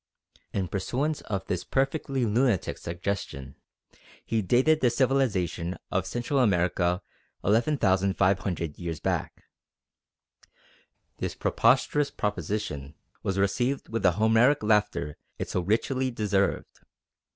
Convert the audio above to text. In pursuance of this perfectly lunatic suggestion, he dated the civilisation of Central America 11,500 years back. This preposterous proposition was received with the Homeric laughter it so richly deserved.